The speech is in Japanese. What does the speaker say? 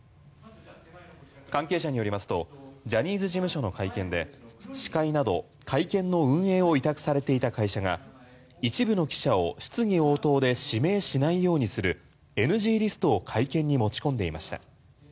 関係者によりますとジャニーズ事務所の会見で司会など会見の運営を委託されていた会社が一部の記者を質疑応答で指名しないようにするＮＧリストを会見に持ち込んでいました。